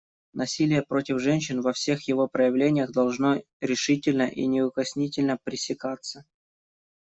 Насилие против женщин во всех его проявлениях должно решительно и неукоснительно пресекаться.